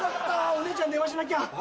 お姉ちゃんに電話しなきゃ。